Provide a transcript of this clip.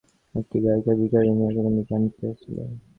কিন্তু একদিন শরৎকালের প্রভাতে একটি গায়িকা ভিখারিনী আগমনীর গান গাহিতেছিল।